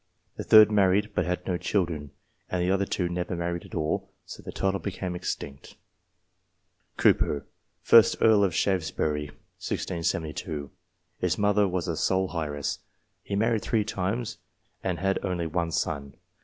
The third married, but had no children, and the other two never married at all, so the title became extinct. Cooper, 1st Earl of Shaftesbury (1672). His mother was a sole heiress. He married three times, and had only one son.